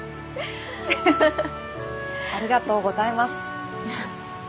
ありがとうございます。